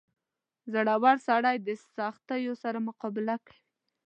• زړور سړی د سختیو سره مقابله کوي.